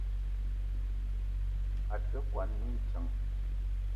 A te kwuan mintsang.